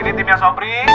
ini timnya sopri